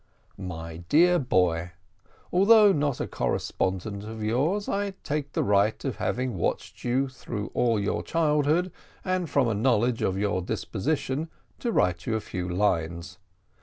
"My Dear Boy, "Although not a correspondent of yours, I take the right of having watched you through all your childhood, and from a knowledge of your disposition, to write you a few lines.